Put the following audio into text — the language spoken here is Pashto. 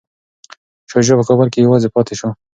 شاه شجاع په کابل کي یوازې پاتې شو.